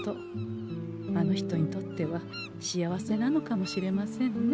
あの人にとっては幸せなのかもしれませんね。